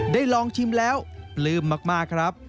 ได้ลองชิมแล้วปลื้มมากครับ